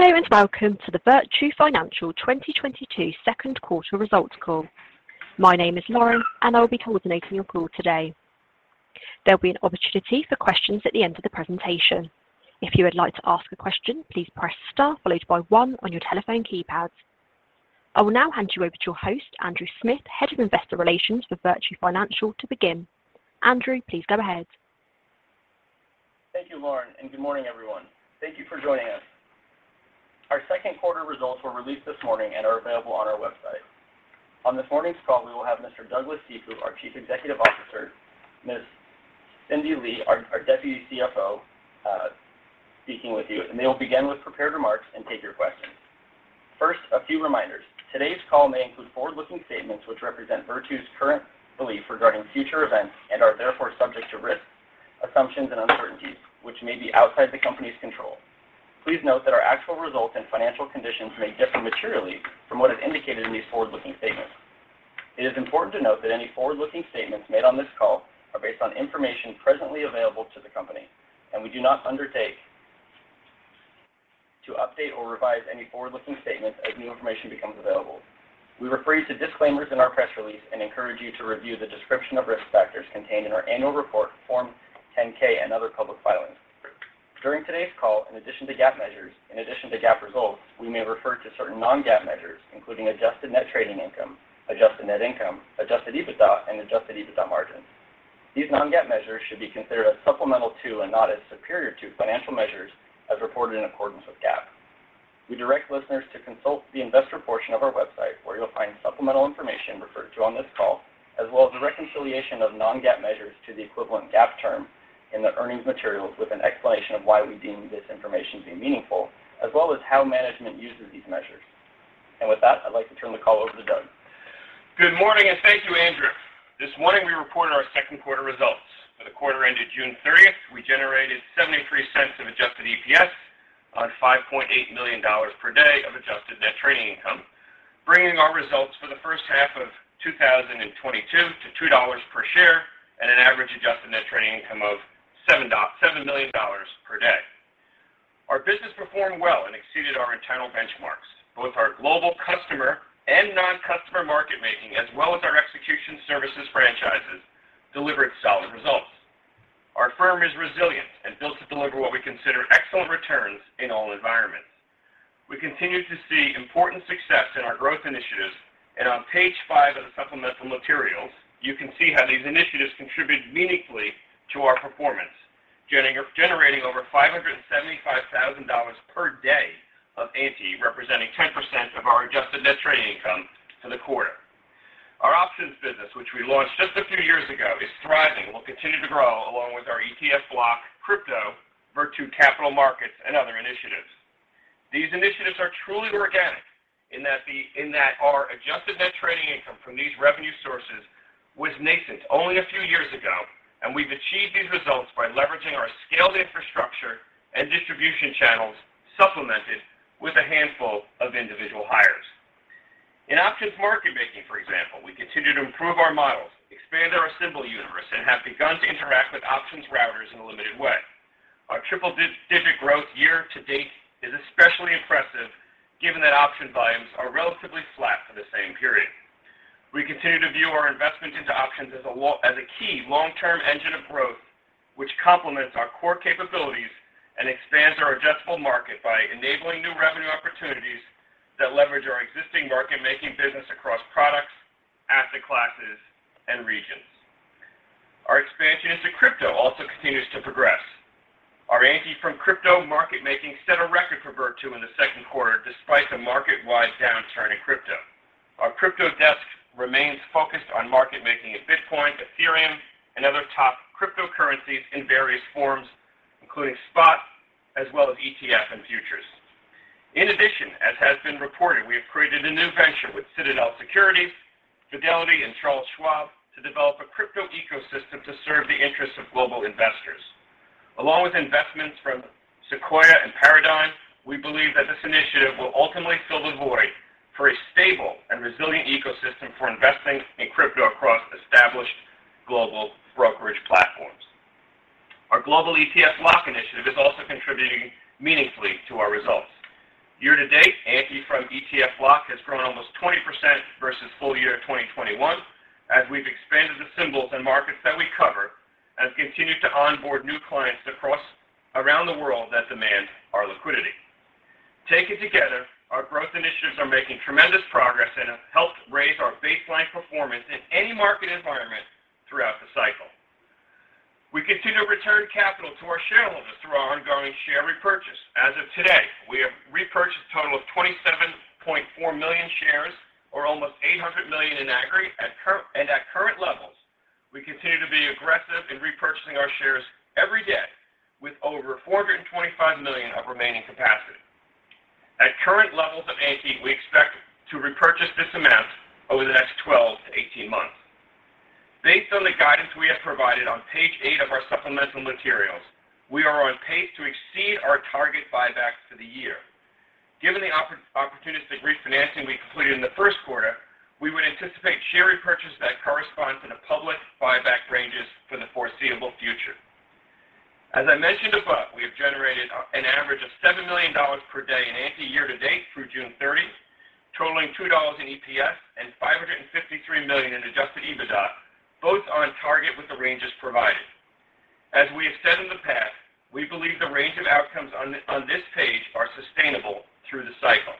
Hello, and welcome to the Virtu Financial 2022 second quarter results call. My name is Lauren, and I will be coordinating your call today. There'll be an opportunity for questions at the end of the presentation. If you would like to ask a question, please press star followed by one on your telephone keypad. I will now hand you over to your host, Andrew Smith, Head of Investor Relations for Virtu Financial, to begin. Andrew, please go ahead. Thank you, Lauren, and good morning, everyone. Thank you for joining us. Our second quarter results were released this morning and are available on our website. On this morning's call, we will have Mr. Douglas Cifu, our Chief Executive Officer, Ms. Cindy Lee, our Deputy CFO, speaking with you, and they will begin with prepared remarks and take your questions. First, a few reminders. Today's call may include forward-looking statements which represent Virtu's current belief regarding future events and are therefore subject to risks, assumptions, and uncertainties, which may be outside the company's control. Please note that our actual results and financial conditions may differ materially from what is indicated in these forward-looking statements. It is important to note that any forward-looking statements made on this call are based on information presently available to the company, and we do not undertake to update or revise any forward-looking statements as new information becomes available. We refer you to disclaimers in our press release and encourage you to review the description of risk factors contained in our annual report, Form 10-K and other public filings. During today's call, in addition to GAAP results, we may refer to certain non-GAAP measures, including adjusted net trading income, adjusted net income, Adjusted EBITDA, and Adjusted EBITDA margin. These non-GAAP measures should be considered as supplemental to and not as superior to financial measures as reported in accordance with GAAP. We direct listeners to consult the investor portion of our website where you'll find supplemental information referred to on this call, as well as a reconciliation of non-GAAP measures to the equivalent GAAP term in the earnings materials with an explanation of why we deem this information to be meaningful, as well as how management uses these measures. With that, I'd like to turn the call over to Doug. Good morning, and thank you, Andrew. This morning, we reported our second quarter results. For the quarter ended June 30th, we generated $0.73 adjusted EPS on $5.8 million per day of adjusted net trading income, bringing our results for the first half of 2022 to $2 per share at an average adjusted net trading income of $7 million per day. Our business performed well and exceeded our internal benchmarks. Both our global customer and non-customer market making, as well as our execution services franchises, delivered solid results. Our firm is resilient and built to deliver what we consider excellent returns in all environments. We continue to see important success in our growth initiatives. On page five of the supplemental materials, you can see how these initiatives contributed meaningfully to our performance, generating over $575,000 per day of ANTI, representing 10% of our adjusted net trading income for the quarter. Our options business, which we launched just a few years ago, is thriving and will continue to grow along with our ETF block, crypto, Virtu Capital Markets, and other initiatives. These initiatives are truly organic in that our adjusted net trading income from these revenue sources was nascent only a few years ago, and we've achieved these results by leveraging our scaled infrastructure and distribution channels, supplemented with a handful of individual hires. In options market making, for example, we continue to improve our models, expand our asset universe, and have begun to interact with options routers in a limited way. Our triple-digit growth year-to-date is especially impressive given that option volumes are relatively flat for the same period. We continue to view our investment into options as a key long-term engine of growth, which complements our core capabilities and expands our addressable market by enabling new revenue opportunities that leverage our existing market making business across products, asset classes, and regions. Our expansion into crypto also continues to progress. Our ANTI from crypto market making set a record for Virtu in the second quarter despite a market-wide downturn in crypto. Our crypto desk remains focused on market making at Bitcoin, Ethereum, and other top cryptocurrencies in various forms, including spot as well as ETF and futures. In addition, as has been reported, we have created a new venture with Citadel Securities, Fidelity, and Charles Schwab to develop a crypto ecosystem to serve the interests of global investors. Along with investments from Sequoia and Paradigm, we believe that this initiative will ultimately fill the void for a stable and resilient ecosystem for investing in crypto across established global brokerage platforms. Our global ETF block initiative is also contributing meaningfully to our results. Year-to-date, ANTI from ETF block has grown almost 20% versus full year 2021 as we've expanded the symbols and markets that we cover and continued to onboard new clients around the world that demand our liquidity. Taken together, our growth initiatives are making tremendous progress and have helped raise our baseline performance in any market environment throughout the cycle. We continue to return capital to our shareholders through our ongoing share repurchase. As of today, we have repurchased a total of 27.4 million shares, or almost $800 million in aggregate. At current levels, we continue to be aggressive in repurchasing our shares every day with over $425 million of remaining capacity. At current levels of ANTI, we expect to repurchase this amount over the next 12-18 months. Based on the guidance we have provided on page 8 of our supplemental materials, we are on pace to exceed our target buybacks for the year. Given the opportunistic refinancing we completed in the first quarter, we would anticipate share repurchase that corresponds to the public buyback ranges for the foreseeable future. As I mentioned above, we have generated an average of $7 million per day in ANTI year-to-date through June 30, totaling $2 in EPS and $553 million in Adjusted EBITDA, both on target with the ranges provided. As we have said in the past, we believe the range of outcomes on this page are sustainable through the cycle.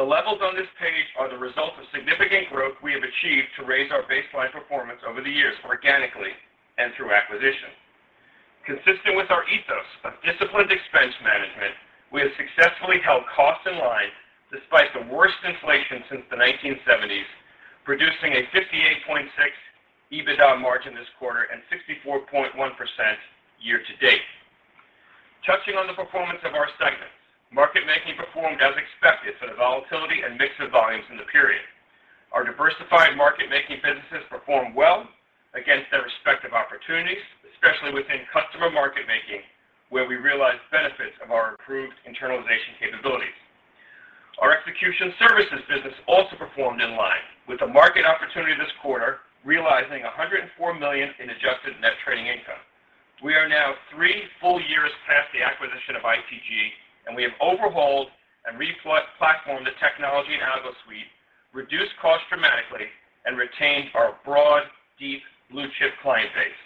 The levels on this page are the result of significant growth we have achieved to raise our baseline performance over the years organically and through acquisition. Consistent with our ethos of disciplined expense management, we have successfully held costs in line despite the worst inflation since the 1970s, producing a 58.6% EBITDA margin this quarter and 64.1% year-to-date. Touching on the performance of our segments, market making performed as expected for the volatility and mix of volumes in the period. Our diversified market making businesses performed well against their respective opportunities, especially within customer market making, where we realized benefits of our improved internalization capabilities. Our execution services business also performed in line with the market opportunity this quarter, realizing $104 million in adjusted net trading income. We are now 3 full years past the acquisition of ITG, and we have overhauled and replatformed the technology and algo suite, reduced costs dramatically and retained our broad, deep blue chip client base.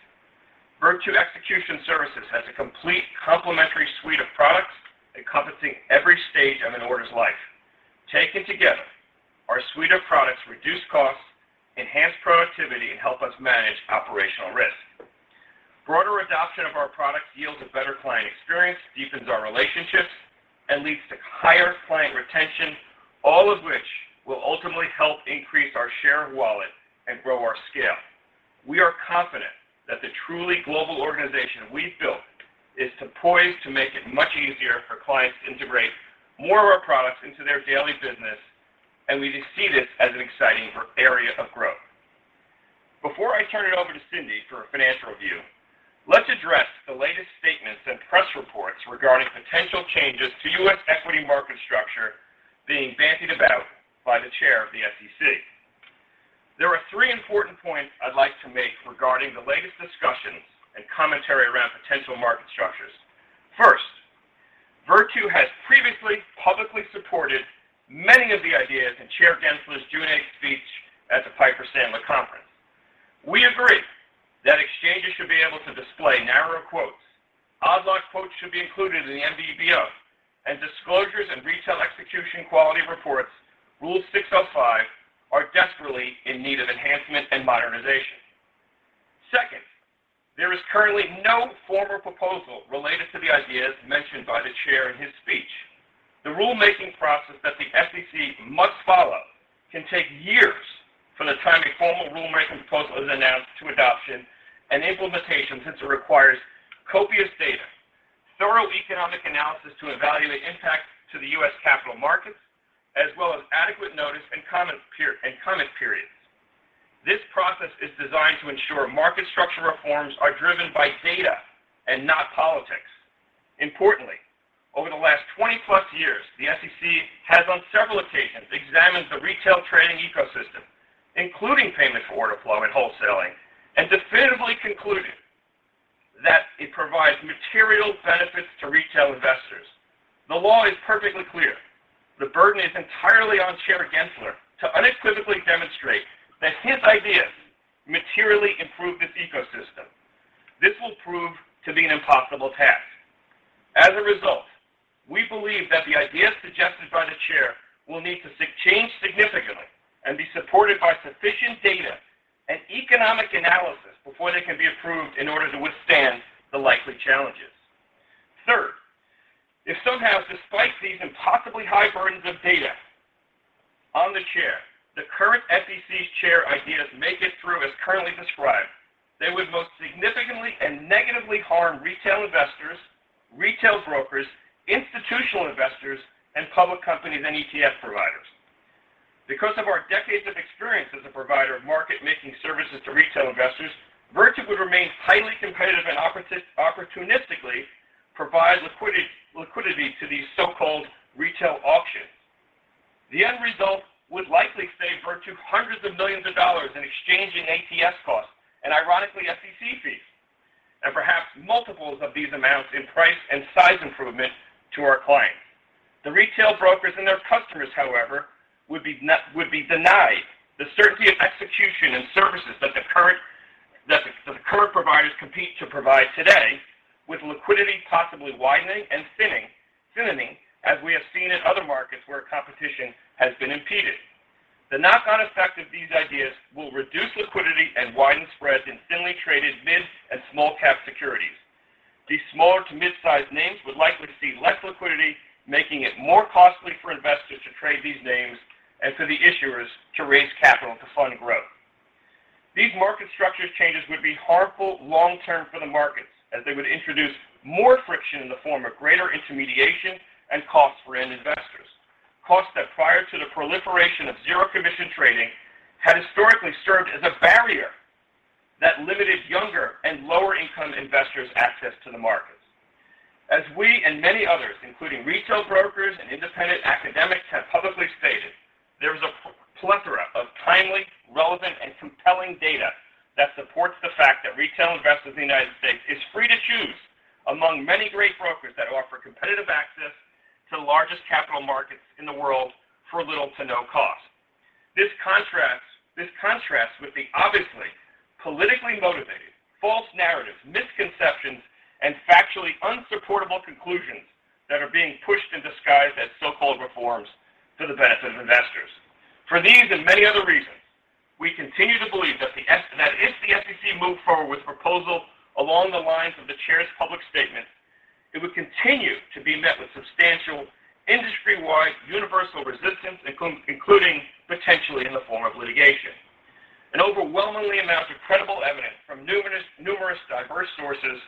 Virtu Execution Services has a complete complementary suite of products encompassing every stage of an order's life. Taken together, our suite of products reduce costs, enhance productivity, and help us manage operational risk. Broader adoption of our products yields a better client experience, deepens our relationships and leads to higher client retention, all of which will ultimately help increase our share of wallet and grow our scale. We are confident that the truly global organization we've built is so poised to make it much easier for clients to integrate more of our products into their daily business, and we see this as an exciting area of growth. Before I turn it over to Cindy for a financial review, let's address the latest statements and press reports regarding potential changes to U.S. equity market structure being bandied about by the chair of the SEC. There are three important points I'd like to make regarding the latest discussions and commentary around potential market structures. First, Virtu has previously publicly supported many of the ideas in Chair Gensler's June 8 speech at the Piper Sandler conference. We agree that exchanges should be able to display narrower quotes. Odd lot quotes should be included in the NBBO, and disclosures and retail execution quality reports, Rule 605, are desperately in need of enhancement and modernization. Second, there is currently no formal proposal related to the ideas mentioned by the chair in his speech. The rulemaking process that the SEC must follow can take years from the time a formal rulemaking proposal is announced to adoption and implementation, since it requires copious data, thorough economic analysis to evaluate impact to the U.S. capital markets, as well as adequate notice and comment periods. This process is designed to ensure market structure reforms are driven by data and not politics. Importantly, over the last 20+ years, the SEC has on several occasions examined the retail trading ecosystem, including payment for order flow and wholesaling, and definitively concluded that it provides material benefits to retail investors. The law is perfectly clear. The burden is entirely on Chair Gensler to unequivocally demonstrate that his ideas materially improve this ecosystem. This will prove to be an impossible task. As a result, we believe that the ideas suggested by the chair will need to change significantly and be supported by sufficient data and economic analysis before they can be approved in order to withstand the likely challenges. Third, if somehow, despite these impossibly high burdens of data on the chair, the current SEC Chair's ideas make it through as currently described, they would most significantly and negatively harm retail investors, retail brokers, institutional investors, and public companies and ETF providers. Because of our decades of experience as a provider of market making services to retail investors, Virtu would remain highly competitive and opportunistically provide liquidity to these so-called retail auctions. The end result would likely save Virtu hundreds of millions of dollars in exchange and ATS costs, and ironically, SEC fees, and perhaps multiples of these amounts in price and size improvement to our clients. The retail brokers and their customers, however, would be denied the certainty of execution and services that the current providers compete to provide today, with liquidity possibly widening and thinning as we have seen in other markets where competition has been impeded. The knock-on effect of these ideas will reduce liquidity and widen spreads in thinly traded mid- and small-cap securities. These small to mid-sized names would likely see less liquidity, making it more costly for investors to trade these names and for the issuers to raise capital to fund growth. These market structure changes would be harmful long-term for the markets as they would introduce more friction in the form of greater intermediation and costs for end investors. Costs that prior to the proliferation of zero commission trading, had historically served as a barrier that limited younger and lower income investors' access to the markets. As we and many others, including retail brokers and independent academics, have publicly stated there is a plethora of timely, relevant, and compelling data that supports the fact that retail investors in the United States is free to choose among many great brokers that offer competitive access to the largest capital markets in the world for little to no cost. This contrasts with the obviously politically motivated false narratives, misconceptions, and factually unsupportable conclusions that are being pushed and disguised as so-called reforms to the benefit of investors. For these and many other reasons, we continue to believe that if the SEC moved forward with a proposal along the lines of the chair's public statement, it would continue to be met with substantial industry-wide universal resistance, including potentially in the form of litigation. An overwhelming amount of credible evidence from numerous diverse sources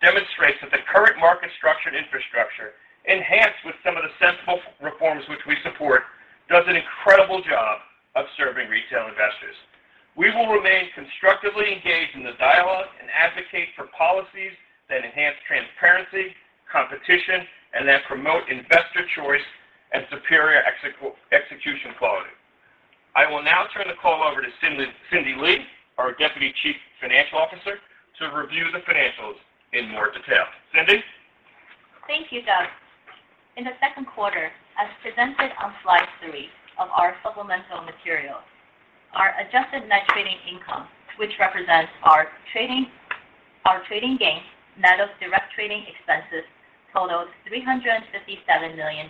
demonstrates that the current market structure and infrastructure, enhanced with some of the sensible reforms which we support, does an incredible job of serving retail investors. We will remain constructively engaged in the dialogue and advocate for policies that enhance transparency, competition, and that promote investor choice and superior execution quality. I will now turn the call over to Cindy Lee, our Deputy Chief Financial Officer, to review the financials in more detail. Cindy? Thank you, Doug. In the second quarter, as presented on slide 3 of our supplemental materials, our adjusted net trading income, which represents our trading gains, net of direct trading expenses, totaled $357 million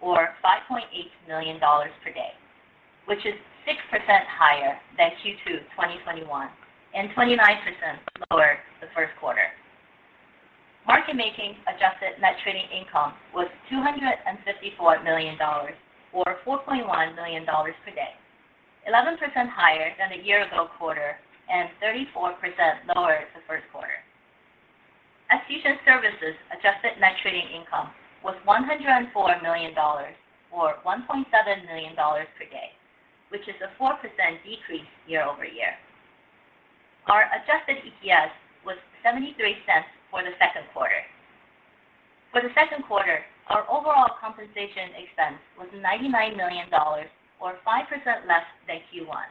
or $5.8 million per day, which is 6% higher than Q2 2021 and 29% lower than the first quarter. Market making adjusted net trading income was $254 million or $4.1 million per day, 11% higher than the year ago quarter and 34% lower than the first quarter. Execution services adjusted net trading income was $104 million or $1.7 million per day, which is a 4% decrease year-over-year. Our adjusted EPS was $0.73 for the second quarter. For the second quarter, our overall compensation expense was $99 million or 5% less than Q1.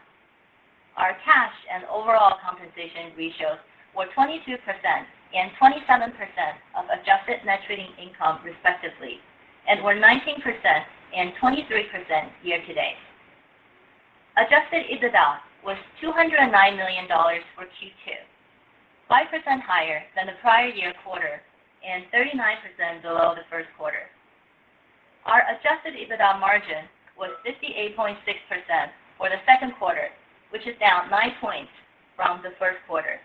Our cash and overall compensation ratios were 22% and 27% of adjusted net trading income respectively, and were 19% and 23% year-to-date. Adjusted EBITDA was $209 million for Q2, 5% higher than the prior year quarter and 39% below the first quarter. Our Adjusted EBITDA margin was 58.6% for the second quarter, which is down nine points from the first quarter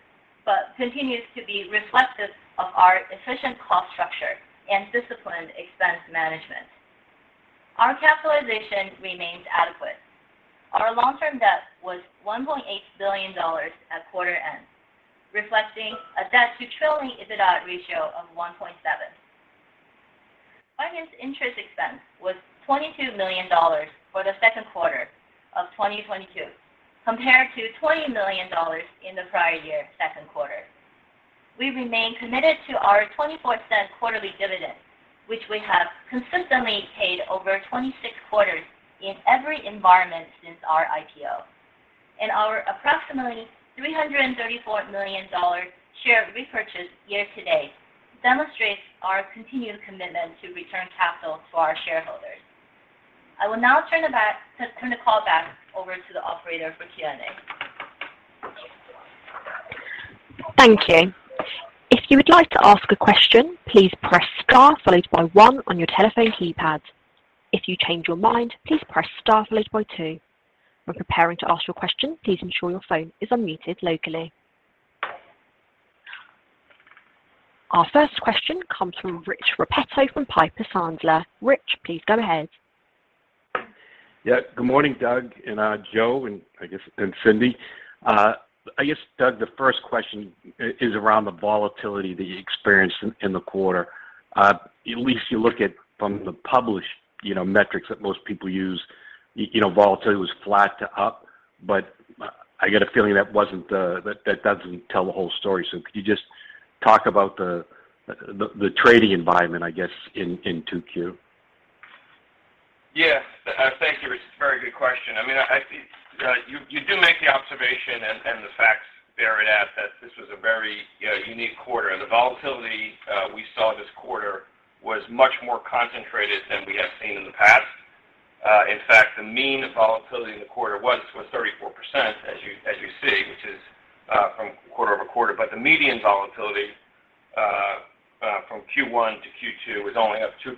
but continues to be reflective of our efficient cost structure and disciplined expense management. Our capitalization remains adequate. Our long-term debt was $1.8 billion at quarter-end, reflecting a debt to trailing EBITDA ratio of 1.7. Finance interest expense was $22 million for the second quarter of 2022 compared to $20 million in the prior year second quarter. We remain committed to our $0.24 quarterly dividend, which we have consistently paid over 26 quarters in every environment since our IPO. Our approximately $334 million share repurchase year-to-date demonstrates our continued commitment to return capital to our shareholders. I will now turn the call back over to the operator for Q&A. Thank you. If you would like to ask a question, please press star followed by one on your telephone keypad. If you change your mind, please press star followed by two. When preparing to ask your question, please ensure your phone is unmuted locally. Our first question comes from Richard Repetto from Piper Sandler. Rich, please go ahead. Yeah. Good morning, Doug and Joe, and I guess Cindy. I guess, Doug, the first question is around the volatility that you experienced in the quarter. At least if you look at the published, you know, metrics that most people use, you know, volatility was flat to up. I get a feeling that that doesn't tell the whole story. Could you just talk about the trading environment, I guess, in 2Q? Yes. Thank you, Rich. Very good question. I mean, you do make the observation and the facts bear it out that this was a very unique quarter. The volatility we saw this quarter was much more concentrated than we have seen in the past. In fact, the mean volatility in the quarter was 34% as you see, which is from quarter-over-quarter, but the median volatility from Q1 to Q2 was only up 2%.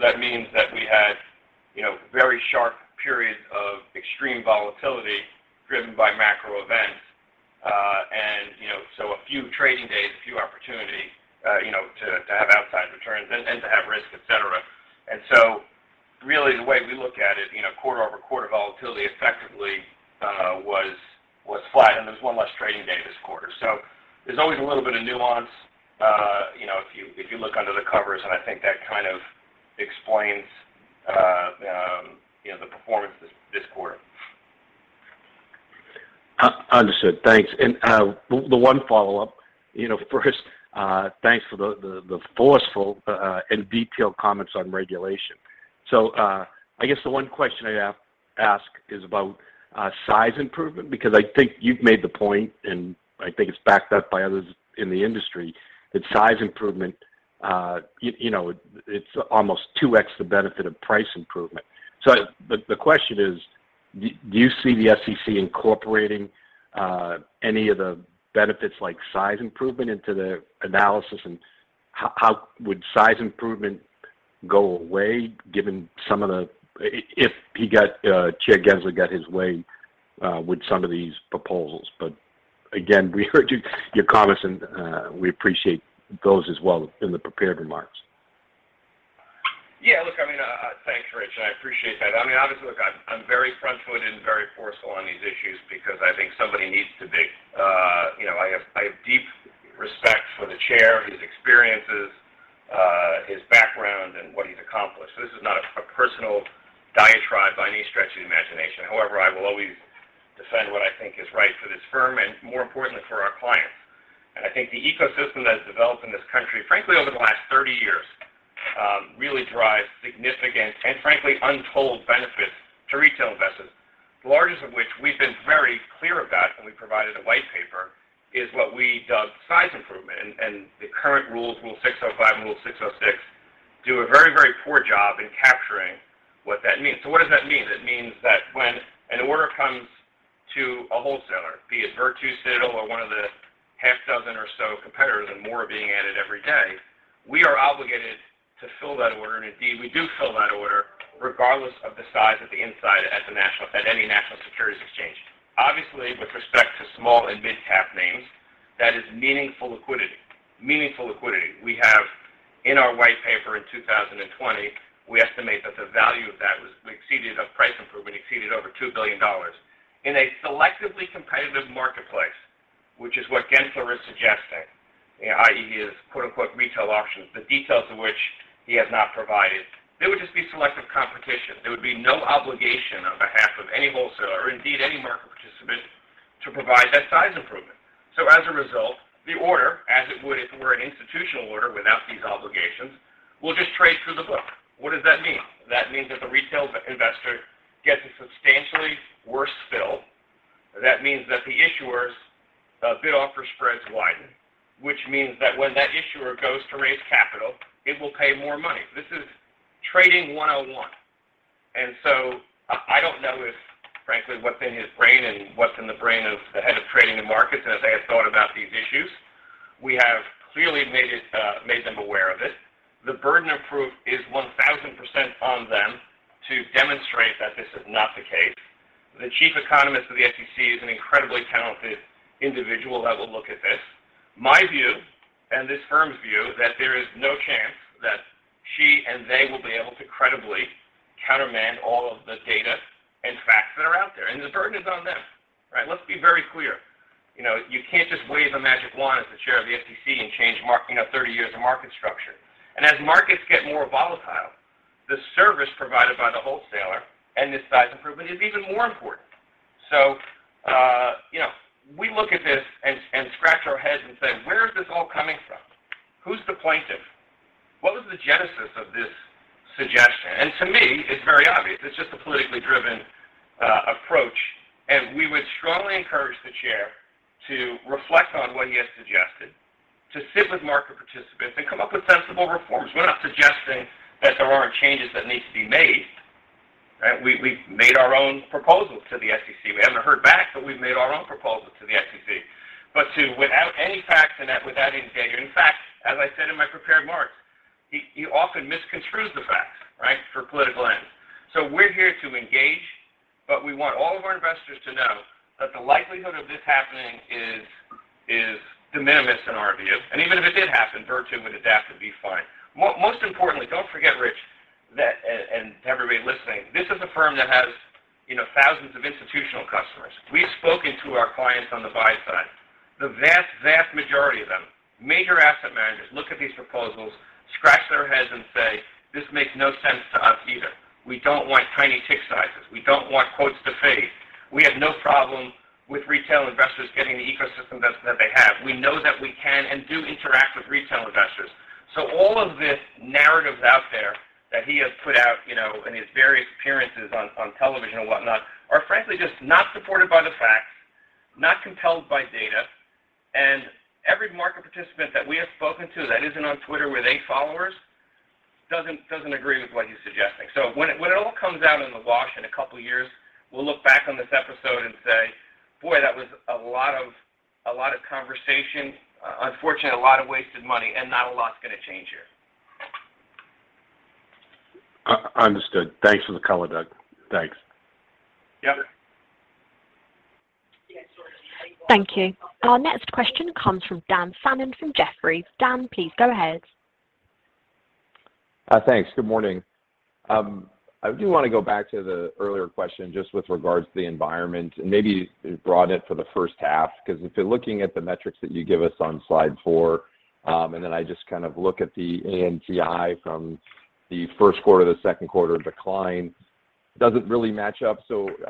That means that we had, you know, very sharp periods of extreme volatility driven by macro events. You know, a few trading days, a few opportunities, you know, to have outsized returns and to have risk, etc. Really the way we look at it, you know, quarter-over-quarter volatility effectively was flat, and there's one less trading day this quarter. There's always a little bit of nuance, you know, if you look under the covers, and I think that kind of explains, you know, the performance this quarter. Understood. Thanks. The one follow-up, you know, first, thanks for the forceful and detailed comments on regulation. I guess the one question I'd ask is about size improvement, because I think you've made the point, and I think it's backed up by others in the industry, that size improvement, you know, it's almost 2x the benefit of price improvement. The question is do you see the SEC incorporating any of the benefits like size improvement into the analysis? And how would size improvement go away given some of the... If Chair Gensler got his way with some of these proposals. Again, we heard your comments and we appreciate those as well in the prepared remarks. Yeah, look, I mean, thanks, Rich. I appreciate that. I mean, obviously, look, I'm very front foot and very forceful on these issues because I think somebody needs to be. You know, I have deep respect for the chair, his experiences, his background and what he's accomplished. So this is not a personal diatribe by any stretch of the imagination. However, I will always defend what I think is right for this firm and more importantly for our clients. I think the ecosystem that has developed in this country, frankly, over the last 30 years, really drives significant and frankly, untold benefits to retail investors. The largest of which we've been very clear about, and we provided a white paper, is what we dub size improvement. The current rules, Rule 605 and Rule 606 do a very, very poor job in capturing what that means. What does that mean? It means that when an order comes to a wholesaler, be it Virtu, Citadel or one of the half dozen or so competitors and more are being added every day, we are obligated to fill that order. Indeed we do fill that order regardless of the size of the inside at the NBBO. Obviously, with respect to small- and mid-cap names, that is meaningful liquidity. Meaningful liquidity. We have in our white paper in 2020, we estimate that the value of that price improvement exceeded over $2 billion. In a selectively competitive marketplace, which is what Gensler is suggesting, i.e., his quote unquote retail options, the details of which he has not provided. There would just be selective competition. There would be no obligation on behalf of any wholesaler or indeed any market participant to provide that size improvement. So as a result, the order, as it would if it were an institutional order without these obligations, will just trade through the book. What does that mean? That means that the retail investor gets a substantially worse fill. That means that the issuer's bid-offer spreads widen, which means that when that issuer goes to raise capital, it will pay more money. This is trading 101. I don't know if, frankly, what's in his brain and what's in the brain of the head of trading and markets, and if they have thought about these issues. We have clearly made them aware of it. The burden of proof is 1,000% on them to demonstrate that this is not the case. The chief economist of the SEC is an incredibly talented individual that will look at this. My view and this firm's view, that there is no chance that she and they will be able to credibly countermand all of the data and facts that are out there. The burden is on them. Right? Let's be very clear. You know, you can't just wave a magic wand as the chair of the SEC and change, you know, 30 years of market structure. As markets get more volatile, the service provided by the wholesaler and this size improvement is even more important. So, you know, we look at this and scratch our heads and say, "Where is this all coming from? Who's the plaintiff? What was the genesis of this suggestion?" To me, it's very obvious. It's just a politically driven approach, and we would strongly encourage the chair to reflect on what he has suggested, to sit with market participants and come up with sensible reforms. We're not suggesting that there aren't changes that needs to be made. Right? We've made our own proposals to the SEC. We haven't heard back, but we've made our own proposals to the SEC. But to, without any facts and that without any data. In fact, as I said in my prepared remarks, he often misconstrues the facts, right, for political ends. We're here to engage, but we want all of our investors to know that the likelihood of this happening is de minimis in our view. Even if it did happen, Virtu would adapt and be fine. Most importantly, don't forget, Rich, that, and everybody listening, this is a firm that has, you know, thousands of institutional customers. We've spoken to our clients on the buy side. The vast majority of them, major asset managers, look at these proposals, scratch their heads and say, "This makes no sense to us either. We don't want tiny tick sizes. We don't want quotes to fade. We have no problem with retail investors getting the ecosystem that they have. We know that we can and do interact with retail investors. All of this narratives out there that he has put out, you know, in his various appearances on television and whatnot, are frankly just not supported by the facts, not compelled by data. Every market participant that we have spoken to that isn't on Twitter with eight followers doesn't agree with what he's suggesting. When it all comes out in the wash in a couple of years, we'll look back on this episode and say, "Boy, that was a lot of conversation. Unfortunately, a lot of wasted money, and not a lot's gonna change here. Understood. Thanks for the color, Doug. Thanks. Yep. Thank you. Our next question comes from Daniel Fannon from Jefferies. Dan, please go ahead. Thanks. Good morning. I do wanna go back to the earlier question just with regards to the environment and maybe you brought it for the first half, 'cause if you're looking at the metrics that you give us on slide 4, and then I just kind of look at the ANTI from the first quarter, the second quarter decline, doesn't really match up.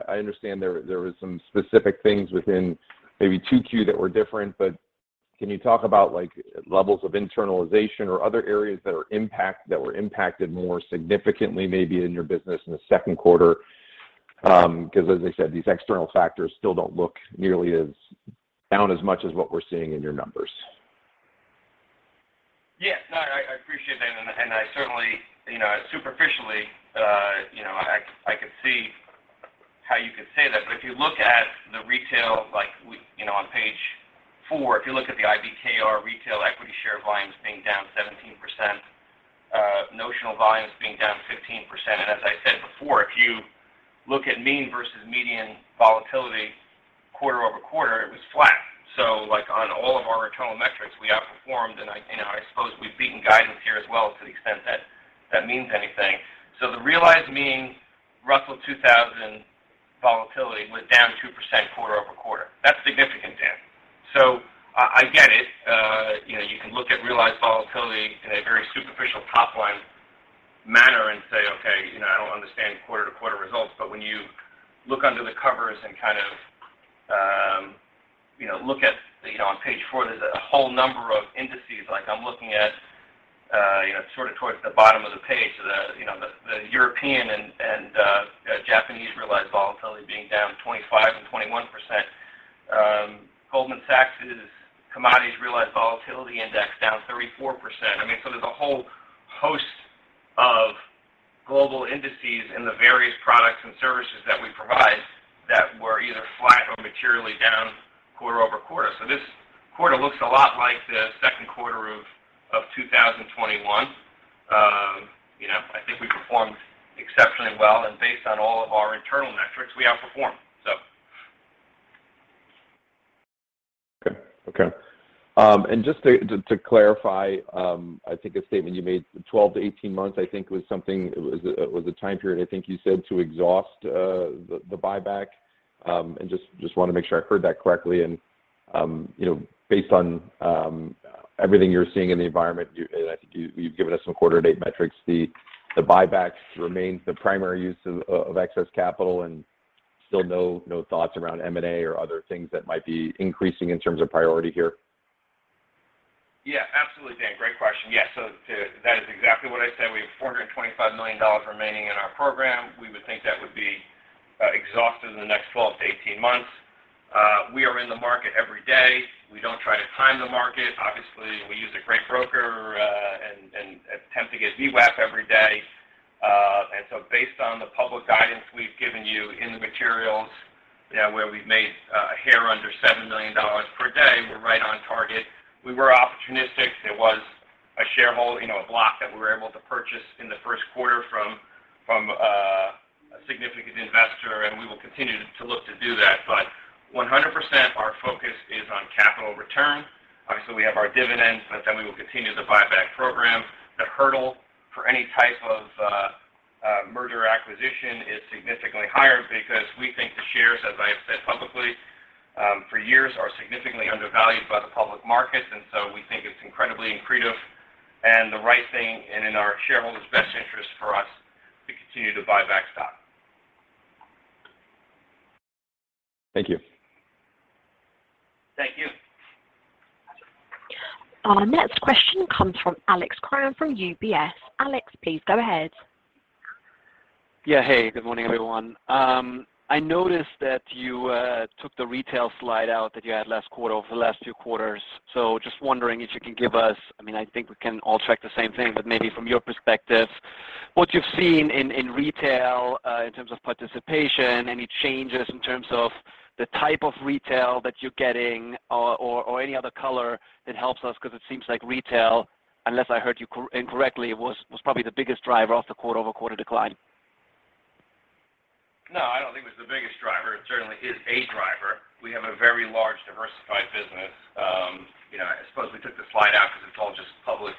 I understand there was some specific things within maybe 2Q that were different. Can you talk about like levels of internalization or other areas that were impacted more significantly maybe in your business in the second quarter? Because as I said, these external factors still don't look nearly as down as much as what we're seeing in your numbers. Yes. No, I appreciate that, and I certainly, you know, superficially, you know, I could see how you could say that. If you look at the retail, like, you know, on page four, if you look at the IBKR retail equity share volumes being down 17%, notional volumes being down 15%. As I said before, if you look at mean versus median volatility quarter-over-quarter, it was flat. Like on all of our internal metrics, we outperformed and I, you know, suppose we've beaten guidance here as well to the extent that that means anything. The realized mean Russell 2000 volatility was down 2% quarter-over-quarter. That's significant, Dan. I get it. You know, you can look at realized volatility in a very superficial top line manner and say, "Okay, you know, I don't understand quarter-to-quarter results." When you look under the covers and kind of look at on page four there's a whole number of indices, like I'm looking at sort of towards the bottom of the page. The European and Japanese realized volatility being down 25% and 21%. Goldman Sachs' commodities realized volatility index down 34%. I mean, there's a whole host of global indices in the various products and services that we provide that were either flat or materially down quarter-over-quarter. This quarter looks a lot like the second quarter of 2021. You know, I think we performed exceptionally well, and based on all of our internal metrics, we outperformed. Okay. Just to clarify, I think a statement you made, 12-18 months, I think was a time period I think you said to exhaust the buyback. Just wanna make sure I heard that correctly. You know, based on everything you're seeing in the environment, you and I think you've given us some quarterly data metrics, the buybacks remains the primary use of excess capital and still no thoughts around M&A or other things that might be increasing in terms of priority here? Yeah, absolutely, Dan. Great question. Yeah. That is exactly what I said. We have $425 million remaining in our program. We would think that would be exhausted in the next 12-18 months. We are in the market every day. We don't try to time the market. Obviously, we use a great broker, and attempt to get VWAP every day. Based on the public guidance we've given you in the materials, you know, where we've made a hair under $7 million per day, we're right on target. We were opportunistic. There was a shareholder, you know, a block that we were able to purchase in the first quarter from a significant investor, and we will continue to look to do that. 100% our focus is on capital return. Obviously, we have our dividends, but then we will continue the buyback program. The hurdle for any type of merger acquisition is significantly higher because we think the shares, as I have said publicly, for years, are significantly undervalued by the public markets. We think it's incredibly accretive and the right thing and in our shareholders' best interest for us to continue to buy back stock. Thank you. Thank you. Our next question comes from Alex Kramm from UBS. Alex, please go ahead. Yeah. Hey, good morning, everyone. I noticed that you took the retail slide out that you had last quarter over the last few quarters. Just wondering if you can give us, I mean, I think we can all track the same thing, but maybe from your perspective, what you've seen in retail in terms of participation, any changes in terms of the type of retail that you're getting or any other color that helps us, because it seems like retail, unless I heard you incorrectly, was probably the biggest driver of the quarter-over-quarter decline. No, I don't think it was the biggest driver. It certainly is a driver. We have a very large diversified business. You know, I suppose we took the slide out because it's all just public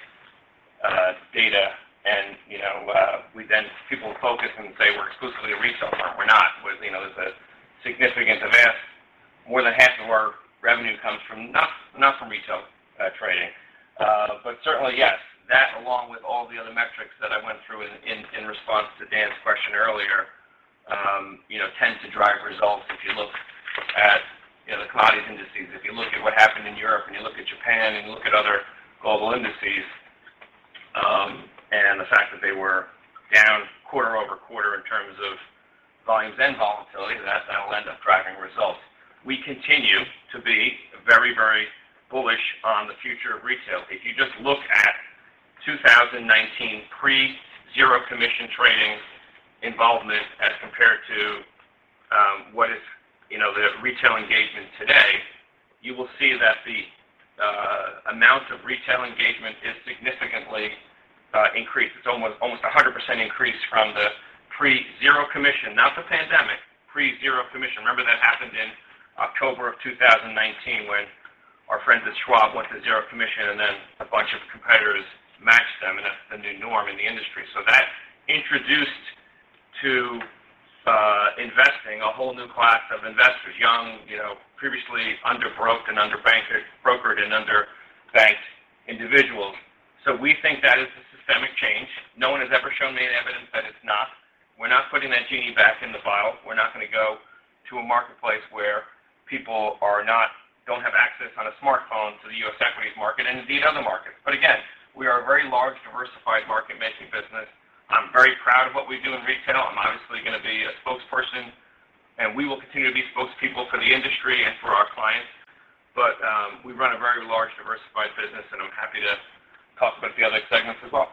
data and, you know, people focus and say we're exclusively a retail firm. We're not. We're, you know, there's a significant vast more than half of our revenue comes from not from retail trading. Certainly yes, that along with all the other metrics that I went through in response to Dan's question earlier, you know, tend to drive results if you look at, you know, the commodities indices. If you look at what happened in Europe, and you look at Japan and you look at other global indices, and the fact that they were down quarter-over-quarter in terms of volumes and volatility, that's how it'll end up driving results. We continue to be very, very bullish on the future of retail. If you just look at 2019 pre-zero commission trading involvement as compared to, what is, you know, the retail engagement today, you will see that the amount of retail engagement is significantly increased. It's almost a 100% increase from the pre-zero commission, not the pandemic, pre-zero commission. Remember that happened in October 2019 when our friends at Schwab went to zero commission, and then a bunch of competitors matched them, and that's the new norm in the industry. That introduced to investing a whole new class of investors, young, you know, previously underbrokered and underbanked individuals. We think that is a systemic change. No one has ever shown me any evidence that it's not. We're not putting that genie back in the bottle. We're not gonna go to a marketplace where people don't have access on a smartphone to the U.S. equities market and indeed other markets. Again, we are a very large diversified market making business. I'm very proud of what we do in retail. I'm obviously gonna be a spokesperson, and we will continue to be spokespeople for the industry and for our clients. We run a very large diversified business, and I'm happy to talk about the other segments as well.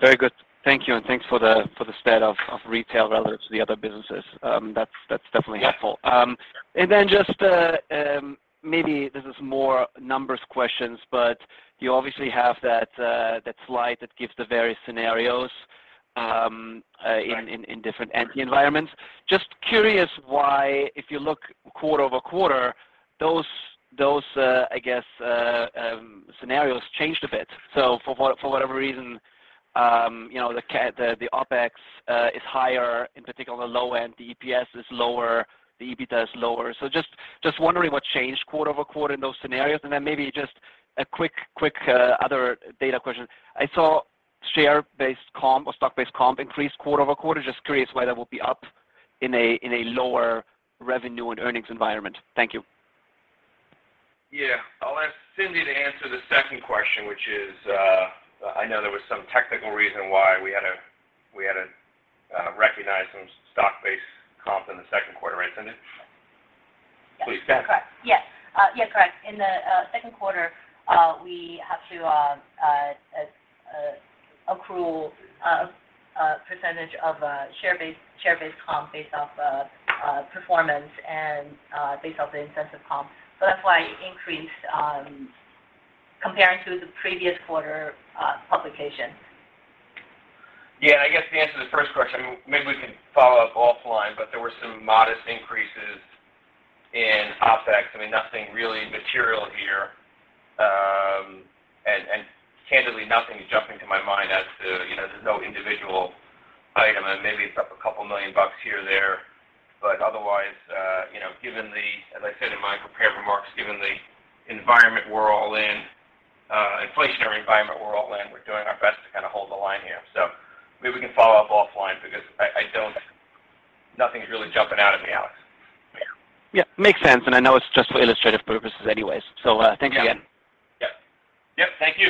Very good. Thank you, and thanks for the state of retail relative to the other businesses. That's definitely helpful. Just maybe this is more numbers questions, but you obviously have that slide that gives the various scenarios. Right In different end environments. Just curious why, if you look quarter-over-quarter, those scenarios changed a bit. For whatever reason, you know, the OpEx is higher, in particular the low end, the EPS is lower, the EBITDA is lower. Just wondering what changed quarter-over-quarter in those scenarios, and then maybe just a quick other data question. I saw share-based comp or stock-based comp increase quarter-over-quarter. Just curious why that would be up in a lower revenue and earnings environment. Thank you. Yeah. I'll ask Cindy to answer the second question, which is, I know there was some technical reason why we had to recognize some stock-based comp in the second quarter, right, Cindy? Yes. Please. Correct. Yes. Yes, correct. In the second quarter, we have to accrue a percentage of share-based comp based off performance and based off the incentive comp. That's why it increased when comparing to the previous quarter publication. Yeah. I guess the answer to the first question, maybe we can follow up offline, but there were some modest increases in OpEx. I mean, nothing really material here, and candidly, nothing's jumping to my mind as to, you know, there's no individual item. Maybe it's up $2 million here or there. Otherwise, you know, as I said in my prepared remarks, given the environment we're all in, inflationary environment we're all in, we're doing our best to kind of hold the line here. Maybe we can follow up offline because I don't. Nothing's really jumping out at me, Alex. Yeah, makes sense. I know it's just for illustrative purposes anyways. Yeah Thanks again. Yep. Thank you.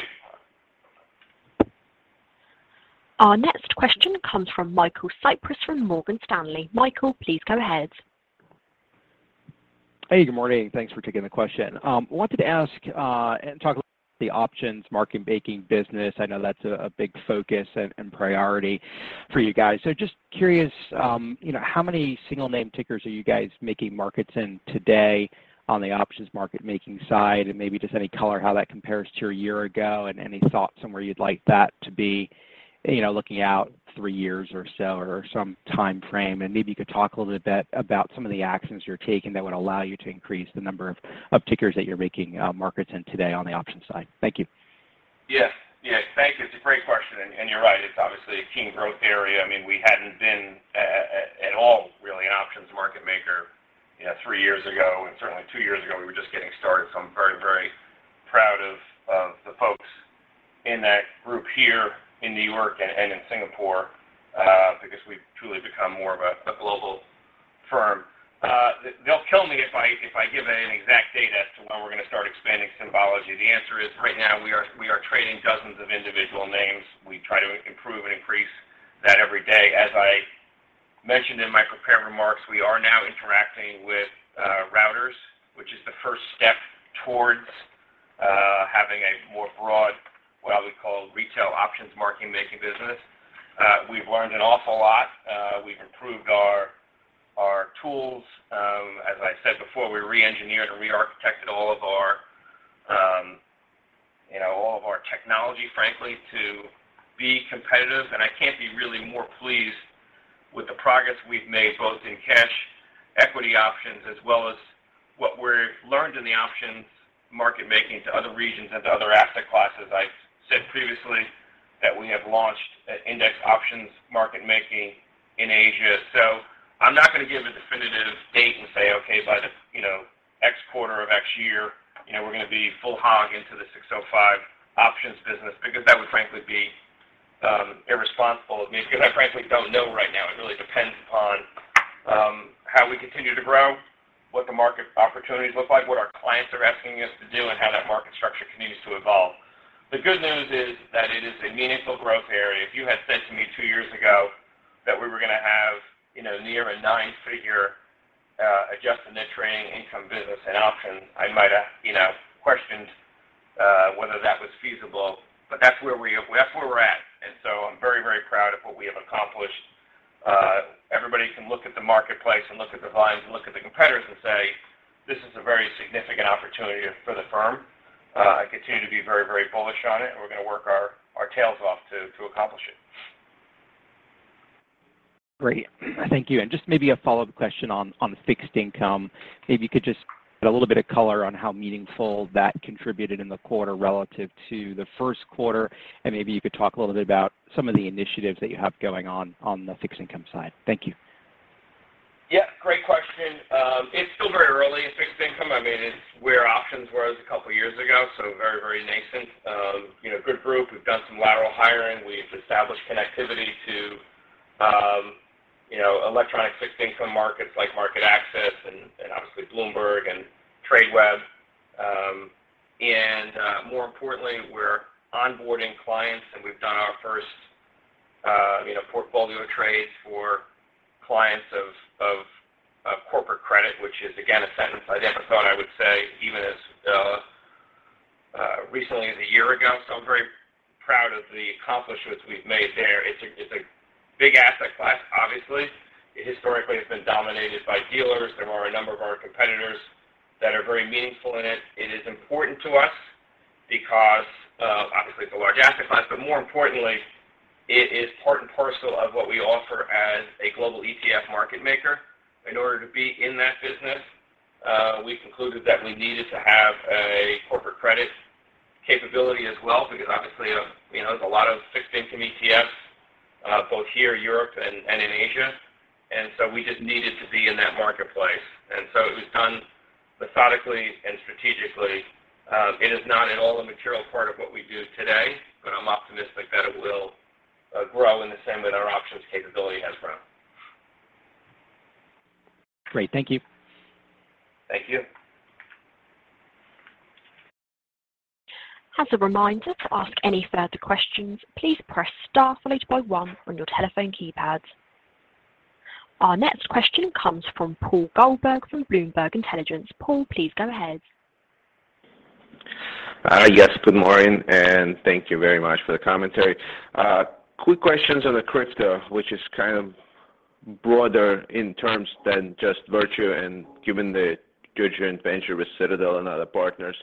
Our next question comes from Michael Cyprys from Morgan Stanley. Michael, please go ahead. Hey, good morning. Thanks for taking the question. Wanted to ask and talk about the options market making business. I know that's a big focus and priority for you guys. So just curious, you know, how many single name tickers are you guys making markets in today on the options market making side? And maybe just any color how that compares to a year ago and any thoughts somewhere you'd like that to be, you know, looking out three years or so, or some time frame. And maybe you could talk a little bit about some of the actions you're taking that would allow you to increase the number of tickers that you're making markets in today on the options side. Thank you. Yes. Yes. Thank you. It's a great question, and you're right. It's obviously a key growth area. I mean, we hadn't been at all really an options market maker, you know, three years ago, and certainly two years ago, we were just getting started. I'm very, very proud of the folks in that group here in New York and in Singapore, because we've truly become more of a global firm. They'll kill me if I give any exact date as to when we're gonna start expanding symbology. The answer is, right now, we are trading dozens of individual names. We try to improve and increase that every day. As I mentioned in my prepared remarks, we are now interacting with routers, which is the first step towards having a more broad, what I would call retail options market making business. We've learned an awful lot. We've improved our tools. As I said before, we re-engineered and re-architected all of our, you know, all of our technology, frankly, to be competitive. I can't be really more pleased with the progress we've made both in cash equity options, as well as what we've learned in the options market making to other regions and to other asset classes. I said previously that we have launched index options market making in Asia. I'm not gonna give a definitive date and say, "Okay, by the, you know, X quarter of X year, you know, we're gonna be full hog into the Rule 605 options business," because that would frankly be irresponsible of me because I frankly don't know right now. It really depends upon how we continue to grow, what the market opportunities look like, what our clients are asking us to do, and how that market structure continues to evolve. The good news is that it is a meaningful growth area. If you had said to me two years ago that we were gonna have, you know, near a nine-figure adjusted net trading income business in options, I might have, you know, questioned whether that was feasible. But that's where we're at. I'm very, very proud of what we have accomplished. Everybody can look at the marketplace and look at the volumes and look at the competitors and say, "This is a very significant opportunity for the firm." I continue to be very, very bullish on it, and we're gonna work our tails off to accomplish it. Great. Thank you. Just maybe a follow-up question on the fixed income. Maybe you could just add a little bit of color on how meaningful that contributed in the quarter relative to the first quarter, and maybe you could talk a little bit about some of the initiatives that you have going on the fixed income side. Thank you. Yeah, great question. It's still very early in fixed income. I mean, it's where options were as a couple of years ago, so very, very nascent. You know, good group. We've done some lateral hiring. We've established connectivity to, you know, electronic fixed income markets like MarketAxess and obviously Bloomberg and Tradeweb. More importantly, we're onboarding clients, and we've done our first, you know, portfolio trades for clients of corporate credit, which is, again, a sentence I never thought I would say even as recently as a year ago. I'm very proud of the accomplishments we've made there. It's a big asset class, obviously. Historically, it's been dominated by dealers. There are a number of our competitors that are very meaningful in it. It is important to us because, obviously, it's a large asset class, but more importantly, it is part and parcel of what we offer as a global ETF market maker. In order to be in that business, we concluded that we needed to have a corporate credit capability as well because obviously, you know, there's a lot of fixed income ETFs, both here, Europe and in Asia. We just needed to be in that marketplace. It was done methodically and strategically. It is not at all a material part of what we do today, but I'm optimistic that it will grow in the same way that our options capability has grown. Great. Thank you. Thank you. As a reminder to ask any further questions, please press star followed by one on your telephone keypads. Our next question comes from Paul Gulberg from Bloomberg Intelligence. Paul, please go ahead. Yes. Good morning, and thank you very much for the commentary. Quick questions on the crypto, which is kind of broader in terms than just Virtu and given the joint venture with Citadel and other partners.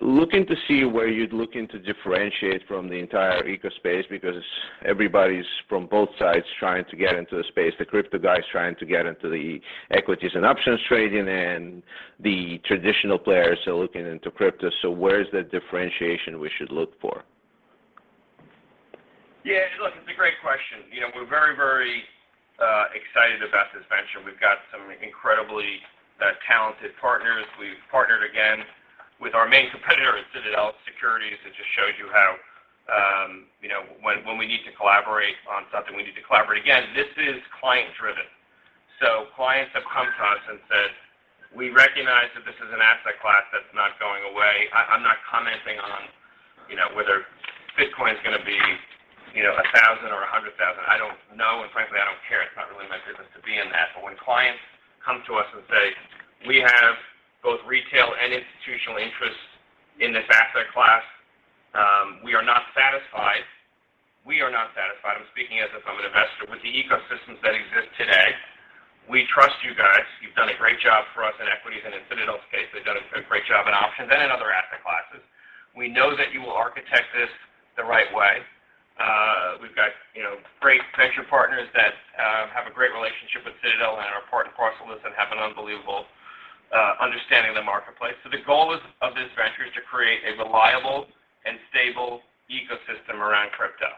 Looking to see where you'd look to differentiate from the entire ecosystem because everybody's from both sides trying to get into the space. The crypto guys trying to get into the equities and options trading and the traditional players are looking into crypto. Where's the differentiation we should look for? Yeah, look, it's a great question. You know, we're very excited about this venture. We've got some incredibly talented partners. We've partnered again with our main competitor, Citadel Securities. It just shows you how, you know, when we need to collaborate on something, we need to collaborate. This is client-driven. Clients have come to us and said, "We recognize that this is an asset class that's not going away." I'm not commenting on, you know, whether Bitcoin is gonna be, you know, 1,000 or 100,000. I don't know, and frankly, I don't care. It's not really my business to be in that. But when clients come to us and say, "We have both retail and institutional interests in this asset class, we are not satisfied. We are not satisfied." I'm speaking as if I'm an investor with the ecosystems that exist today. "We trust you guys. You've done a great job for us in equities," and in Citadel's case, they've done a great job in options and in other asset classes. "We know that you will architect this the right way." We've got, you know, great venture partners that have a great relationship with Citadel and are part and parcel with us and have an unbelievable understanding of the marketplace. The goal of this venture is to create a reliable and stable ecosystem around crypto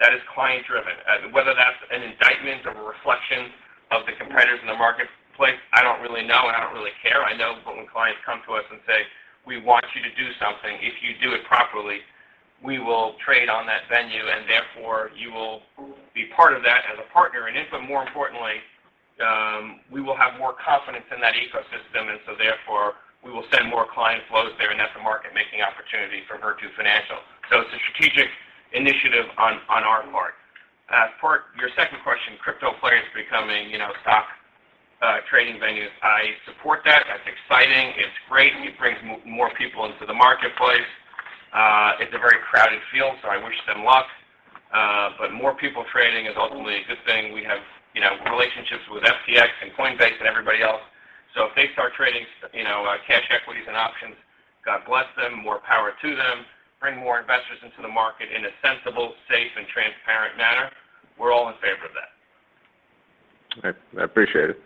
that is client-driven. Whether that's an indictment or a reflection of the competitors in the marketplace, I don't really know, and I don't really care. I know, but when clients come to us and say, "We want you to do something. If you do it properly, we will trade on that venue, and therefore you will be part of that as a partner. But more importantly, we will have more confidence in that ecosystem, and so therefore, we will send more client flows there, and that's a market-making opportunity for Virtu Financial." It's a strategic initiative on our part. For your second question, crypto players becoming, you know, stock trading venues. I support that. That's exciting. It's great. It brings more people into the marketplace. It's a very crowded field, so I wish them luck. More people trading is ultimately a good thing. We have, you know, relationships with FTX and Coinbase and everybody else. If they start trading, you know, cash equities and options. God bless them. More power to them. Bring more investors into the market in a sensible, safe, and transparent manner. We're all in favor of that. I appreciate it.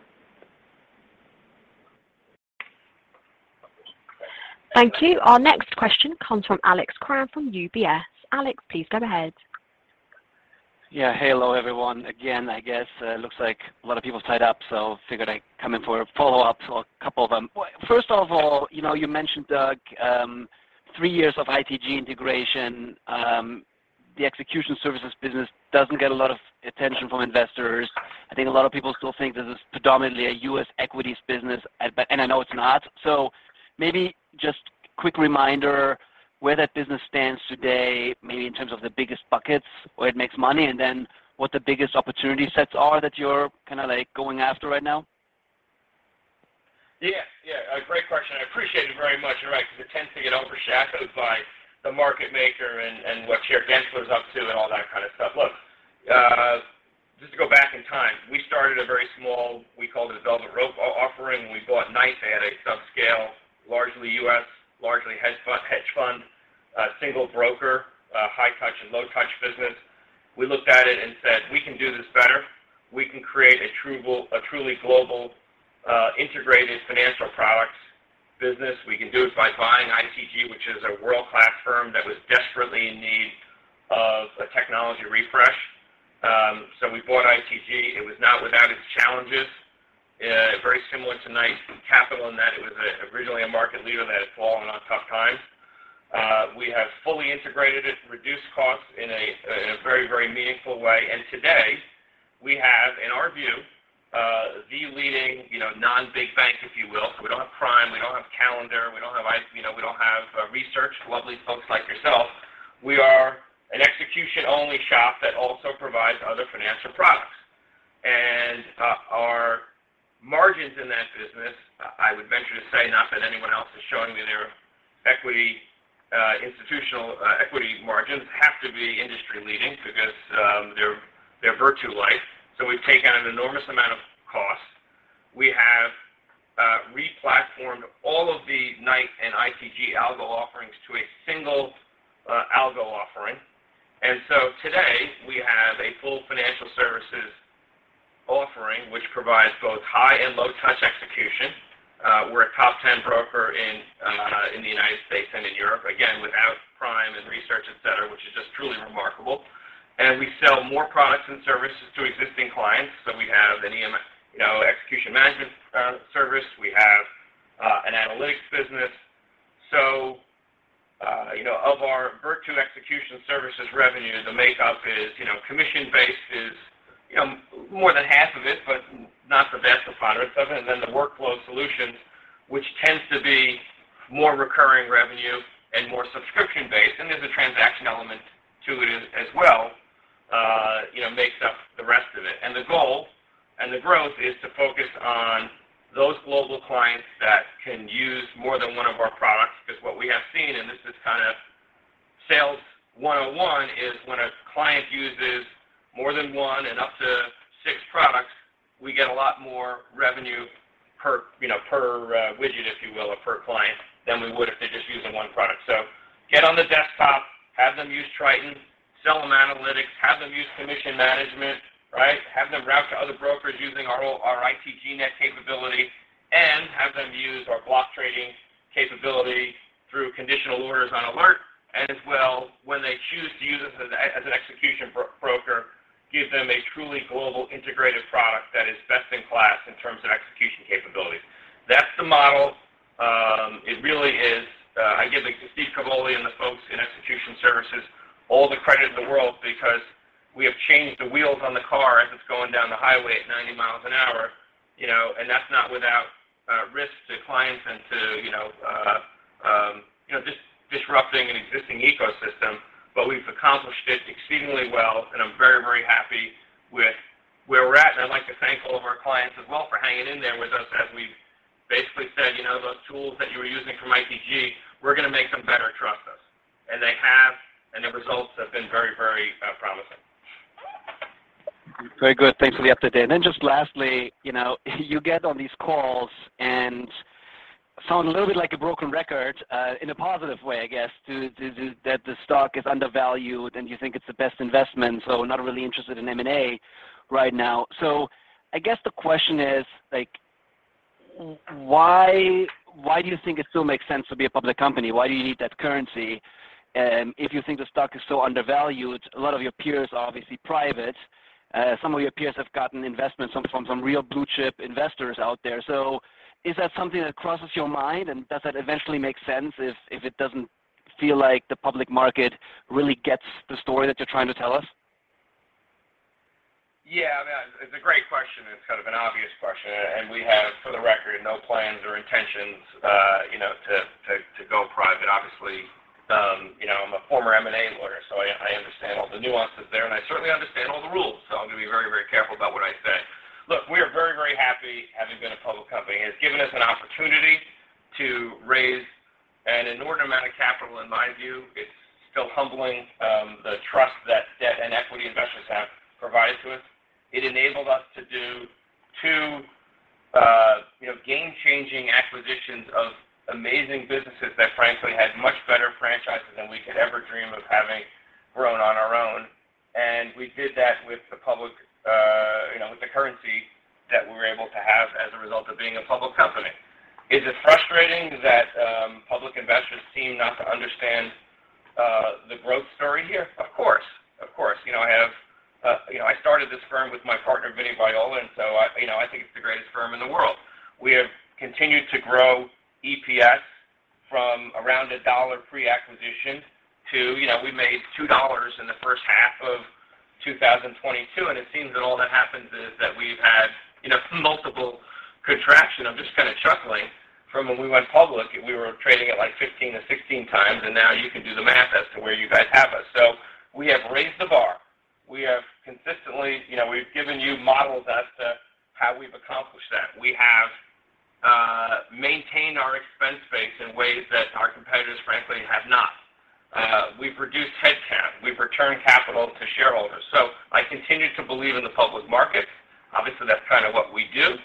Thank you. Our next question comes from Alex Kramm from UBS. Alex, please go ahead. Yeah. Hello, everyone. Again, I guess, looks like a lot of people signed up, so figured I'd come in for a follow-up to a couple of them. Well, first of all, you know, you mentioned, Doug, three years of ITG integration. The execution services business doesn't get a lot of attention from investors. I think a lot of people still think this is predominantly a U.S. equities business and I know it's not. Maybe just quick reminder where that business stands today, maybe in terms of the biggest buckets where it makes money, and then what the biggest opportunity sets are that you're kinda like going after right now. Yeah. A great question. I appreciate it very much. You're right, because it tends to get overshadowed by the market maker and what Chair Gensler is up to and all that kind of stuff. Look, just to go back in time, we started very small. We called it a velvet rope offering. We bought NYSE at a subscale, largely US, largely hedge fund, single broker, high touch and low touch business. We looked at it and said, "We can do this better. We can create a truly global, integrated financial products business. We can do it by buying ITG, which is a world-class firm that was desperately in need technology refresh. We bought ITG. It was not without its challenges. Very similar to Knight Capital in that it was originally a market leader that had fallen on tough times. We have fully integrated it, reduced costs in a very, very meaningful way. Today, we have, in our view, the leading, you know, non-big bank, if you will. We don't have prime, we don't have capital, we don't have IB, you know, we don't have research, lovely folks like yourself. We are an execution-only shop that also provides other financial products. Our margins in that business, I would venture to say, not that anyone else is showing me their institutional equity margins, have to be industry-leading because they're Virtu-like. We've taken out an enormous amount of costs. We have re-platformed all of the Knight and ITG algo offerings to a single algo offering. Today, we have a full financial services offering, which provides both high and low touch execution. We're a top 10 broker in the United States and in Europe. Again, without prime and research, et cetera, which is just truly remarkable. We sell more products and services to existing clients. We have an, you know, execution management service. We have an analytics business. You know, of our Virtu Execution Services revenue, the makeup is, you know, commission-based is, you know, more than half of it, but not the best part of it. Then the workflow solutions, which tends to be more recurring revenue and more subscription-based, and there's a transaction element to it as well, you know, makes up the rest of it. The goal and the growth is to focus on those global clients that can use more than one of our products. Because what we have seen, and this is kind of sales 101, is when a client uses more than one and up to six products, we get a lot more revenue per, you know, per widget, if you will, or per client than we would if they're just using one product. Get on the desktop, have them use Triton, sell them analytics, have them use commission management, right? Have them route to other brokers using our ITG Net capability, and have them use our block trading capability through conditional orders on Alert. As well, when they choose to use us as an execution broker, give them a truly global integrated product that is best in class in terms of execution capabilities. That's the model. It really is. I give Stephen Cavoli and the folks in Execution Services all the credit in the world because we have changed the wheels on the car as it's going down the highway at 90 miles an hour. You know, that's not without risk to clients and to, you know, disrupting an existing ecosystem. We've accomplished it exceedingly well, and I'm very, very happy with where we're at. I'd like to thank all of our clients as well for hanging in there with us as we've basically said, you know, "Those tools that you were using from ITG, we're gonna make them better, trust us." They have, and the results have been very promising. Very good. Thanks for the update. Just lastly, you know, you get on these calls and sound a little bit like a broken record in a positive way, I guess, that the stock is undervalued, and you think it's the best investment, so not really interested in M&A right now. I guess the question is, like, why do you think it still makes sense to be a public company? Why do you need that currency and if you think the stock is so undervalued? A lot of your peers are obviously private. Some of your peers have gotten investments from some real blue chip investors out there. Is that something that crosses your mind? Does that eventually make sense if it doesn't feel like the public market really gets the story that you're trying to tell us? Yeah. It's a great question. It's kind of an obvious question. We have, for the record, no plans or intentions, you know, to go private. Obviously, you know, I'm a former M&A lawyer, so I understand all the nuances there, and I certainly understand all the rules. I'm gonna be very, very careful about what I say. Look, we are very, very happy having been a public company. It's given us an opportunity to raise an inordinate amount of capital, in my view. It's still humbling, the trust that debt and equity investors have provided to us. It enabled us to do two, you know, game-changing acquisitions of amazing businesses that, frankly, had much better franchises than we could ever dream of having grown on our own. We did that with the public, you know, with the currency that we were able to have as a result of being a public company. Is it frustrating that public investors seem not to understand the growth story here? Of course. Of course. You know, I started this firm with my partner, Vincent Viola, and so I, you know, I think it's the greatest firm in the world. We have continued to grow EPS from around $1 pre-acquisition to, you know, we made $2 in the first half of 2022, and it seems that all that happens is that we've had, you know, multiple contraction. I'm just kind of chuckling. From when we went public, we were trading at, like, 15-16x, and now you can do the math as to where you guys have us. We have raised the bar. We have consistently, you know, given you models as to how we've accomplished that. We have maintained our expense base in ways that our competitors, frankly, have not. We've reduced headcount. We've returned capital to shareholders. I continue to believe in the public market. Obviously, that's kind of what we do.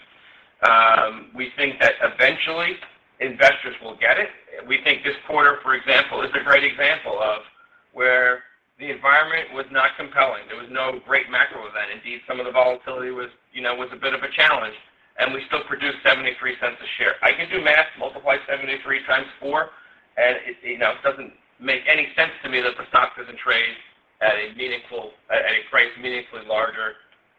We think that eventually investors will get it. We think this quarter, for example, is a great example of where the environment was not compelling. There was no great macro event. Indeed, some of the volatility was, you know, a bit of a challenge, and we still produced $0.73 a share. I can do math, multiply 73 times 4, and, you know, it doesn't make any sense to me that the stock doesn't trade at a price meaningfully larger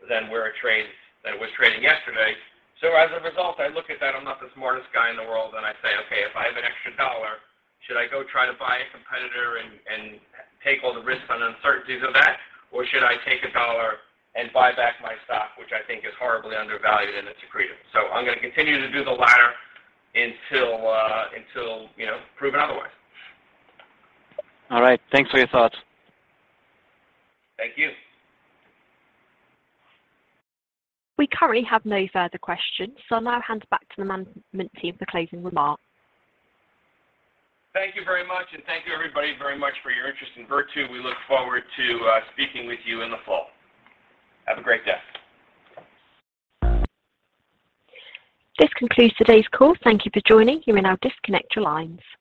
than where it was trading yesterday. As a result, I look at that. I'm not the smartest guy in the world, and I say, "Okay, if I have an extra $1, should I go try to buy a competitor and take all the risks and uncertainties of that? Or should I take a $1 and buy back my stock, which I think is horribly undervalued, and it's accretive?" I'm gonna continue to do the latter until, you know, proven otherwise. All right. Thanks for your thoughts. Thank you. We currently have no further questions, so I'll now hand back to the management team for closing remarks. Thank you very much, and thank you everybody very much for your interest in Virtu. We look forward to speaking with you in the fall. Have a great day. This concludes today's call. Thank you for joining. You may now disconnect your lines.